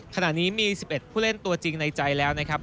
ขณะนี้มี๑๑ผู้เล่นตัวจริงในใจแล้วนะครับ